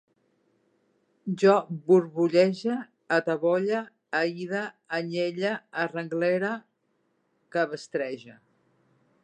Jo borbollege, atabolle, aide, anyelle, arrenglere, cabestrege